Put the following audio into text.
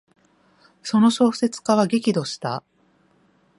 その小説家は激怒した。